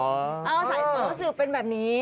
เออใส่เฟ้อซืบเป็นแบบนี้